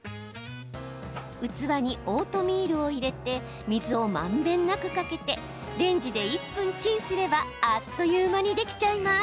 器にオートミールを入れて水をまんべんなくかけてレンジで１分チンすればあっという間にできちゃいます。